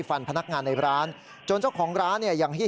โทษทีโทษทีโทษทีโทษที